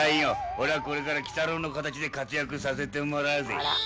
俺はこれから鬼太郎の形で活躍させてもらうぜ」